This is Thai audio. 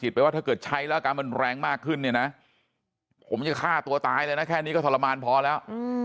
ไปว่าถ้าเกิดใช้แล้วอาการมันแรงมากขึ้นเนี่ยนะผมจะฆ่าตัวตายเลยนะแค่นี้ก็ทรมานพอแล้ว